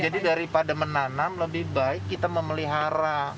jadi daripada menanam lebih baik kita memelihara